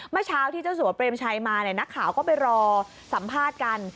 เมื่อเช้าที่เจ้าสัวเปรมชัยมาเนี่ยนักข่าวก็ไปรอสัมภาษณ์กัน